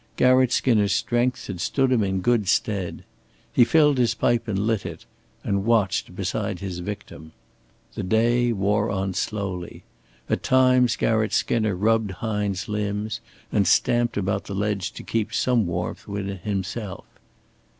Garratt Skinner's strength had stood him in good stead. He filled his pipe and lit it, and watched beside his victim. The day wore on slowly. At times Garratt Skinner rubbed Hine's limbs and stamped about the ledge to keep some warmth within himself.